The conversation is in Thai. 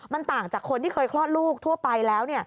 มันต่างจากคนที่เคยคลอดลูกทั่วไปแล้ว